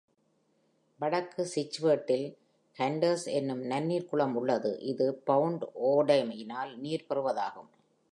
வடக்கு சிச்சுவேட்டில் ஹண்டர்ஸ் எனும் நன்னீர் குளம் உள்ளது, இது பவுண்ட் ஓடையினால் நீர் பெறுவதாகும்.